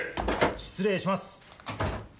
失礼します。